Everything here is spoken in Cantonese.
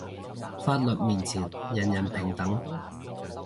法律面前人人平等